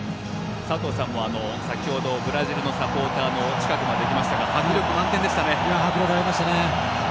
佐藤さんもブラジルのサポーターの近くまで行きましたが迫力満点でしたね。